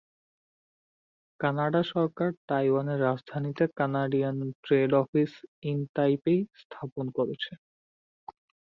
Canada সরকার তাইওয়ানের রাজধানীতে Canadian trade office in Taipei স্থাপন করেছে।